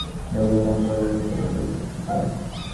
দেবতার ধ্যান কর আর উপদেবতার উপদ্রব হয়।